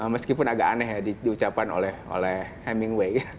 meskipun agak aneh ya diucapkan oleh hemingway